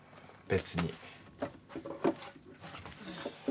別に。